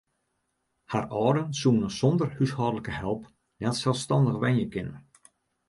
Har âlden soene sonder húshâldlike help net selsstannich wenje kinne.